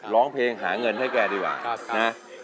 ร้องเพลงหาเงินให้แกดีกว่านะ